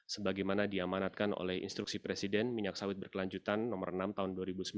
sebagaimana diamanatkan oleh instruksi presiden minyak sawit berkelanjutan nomor enam tahun dua ribu sembilan belas